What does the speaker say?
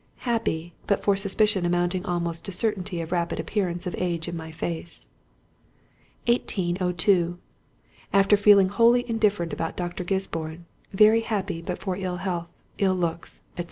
Happy, but for suspicion amounting almost to certainty of a rapid appearance of age in my face.... 1802. After feeling wholly indifferent about Dr. Gisborne—very happy but for ill health, ill looks, &c.